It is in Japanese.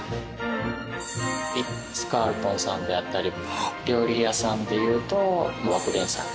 リッツ・カールトンさんであったり料理屋さんでいうと和久傳さんであったり。